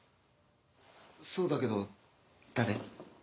そうだけど誰？